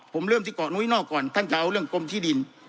ผมเริ่มที่เกาะนุ้ยนอกก่อนท่านจะเอาเรื่องกรมที่ดิน